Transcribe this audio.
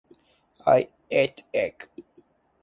I ate egg.